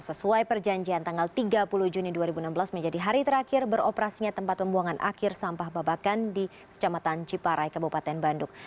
sesuai perjanjian tanggal tiga puluh juni dua ribu enam belas menjadi hari terakhir beroperasinya tempat pembuangan akhir sampah babakan di kecamatan ciparai kabupaten bandung